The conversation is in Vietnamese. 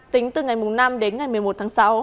tính từ ngày năm đến ngày một mươi một tháng sáu